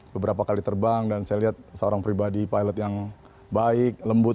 beberapa kali terbang dan saya lihat seorang pribadi pilot yang baik lembut